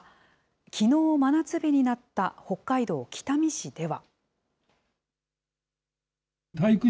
きのう、真夏日になった北海道北見市では。